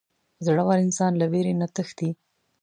• زړور انسان له وېرې نه تښتي.